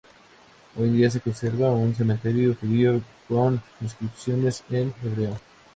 Hoy en día se conserva un cementerio judío con inscripciones en hebreo.